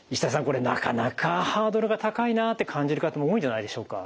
これなかなかハードルが高いなって感じる方も多いんじゃないんでしょうか。